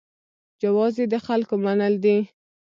جواز یې د خلکو منل دي.